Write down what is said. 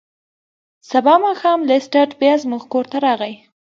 سبا ماښام لیسټرډ بیا زموږ کور ته راغی.